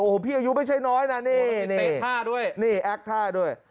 โอ้โหพี่อายุไม่ใช่น้อยนะนี่แอคท่าด้วย